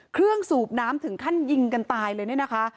เครื่องสูบน้ำถึงขั้นยิงกันตายเลยนะคะ